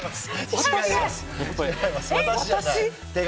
私？